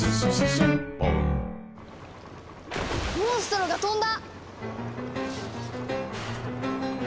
モンストロが飛んだ！